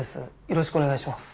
よろしくお願いします。